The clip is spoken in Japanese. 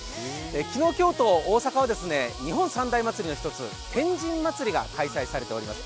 昨日今日と大阪は日本三大祭りの一つ天神祭りが開催されております。